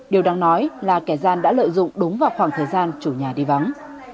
điều đáng nói là kẻ gian đã lợi dụng đúng vào khoảng thời gian chủ nhà đi vắng